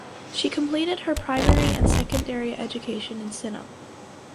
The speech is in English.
She completed her primary and secondary education in Sinop.